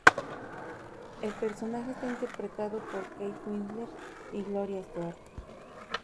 El personaje está interpretado por Kate Winslet y Gloria Stuart.